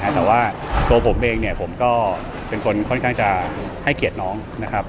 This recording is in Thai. แต่ว่าตัวผมเองเนี่ยผมก็เป็นคนค่อนข้างจะให้เกียรติน้องนะครับ